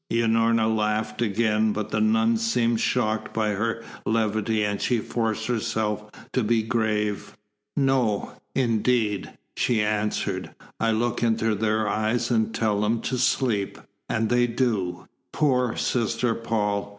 Unorna laughed again, but the nun seemed shocked by her levity and she forced herself to be grave. "No, indeed!" she answered. "I look into their eyes and tell them to sleep and they do. Poor Sister Paul!